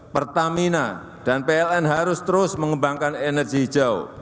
pertamina dan pln harus terus mengembangkan energi hijau